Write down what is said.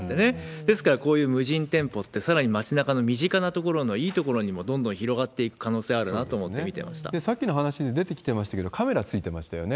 ですから、こういう無人店舗って、さらに町なかの身近なところの、いいところにもどんどん広がっていく可能性あるなと思って見てまさっきの話に出てきてましたけれども、カメラついてましたよね。